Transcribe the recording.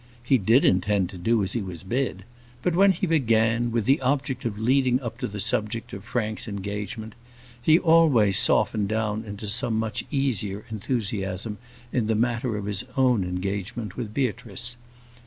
He did intend to do as he was bid; but when he began, with the object of leading up to the subject of Frank's engagement, he always softened down into some much easier enthusiasm in the matter of his own engagement with Beatrice.